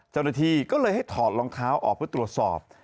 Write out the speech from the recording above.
เจ้าหน้าที่ก็เลยให้ถอดรองเท้าออกเพื่อตรวจสอบ